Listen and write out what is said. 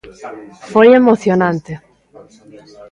Foi emocionante.